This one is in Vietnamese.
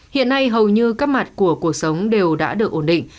hiện nay hầu như các mặt của cuộc sống đều đã được ổn định